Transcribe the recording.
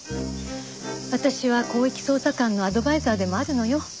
私は広域捜査官のアドバイザーでもあるのよ。